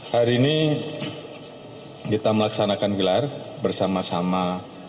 hari ini kita melaksanakan gelar bersama sama